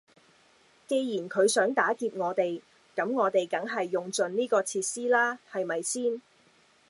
既然佢想打劫我哋，咁我哋梗係用盡呢個設施啦係咪先？